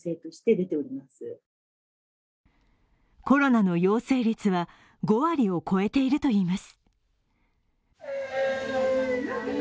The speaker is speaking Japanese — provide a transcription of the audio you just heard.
コロナの陽性率は５割を超えているといいます。